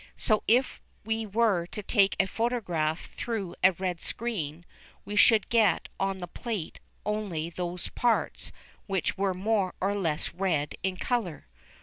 So if we were to take a photograph through a red screen, we should get on the plate only those parts which were more or less red in colour.